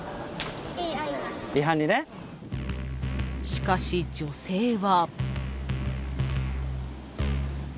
［しかし女性は］